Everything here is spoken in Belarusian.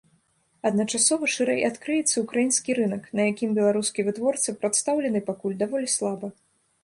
Адначасова шырэй адкрыецца ўкраінскі рынак, на якім беларускі вытворца прадстаўлены пакуль даволі слаба.